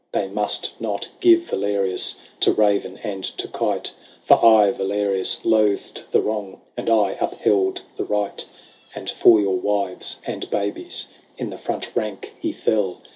They must not give Valerius To raven and to kite ; For aye Valerius loathed the wrong. And aye upheld the right : And for your wives and babies In the front rank he fell.